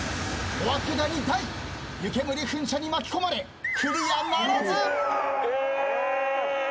小涌谷大湯煙噴射に巻き込まれクリアならず。